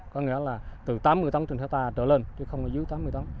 có nghĩa là từ tám mươi tấn trên hectare trở lên chứ không ở dưới tám mươi tấn